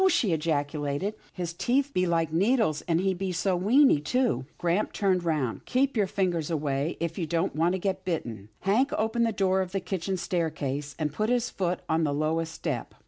she ejaculated, "his teeth be like needles, and he so weeny too." Grampa turned round. " Keep your fingers away, if you don't want to get bitten." Hank opened the door of the kitchen staircase, and put his foot on the lowest step.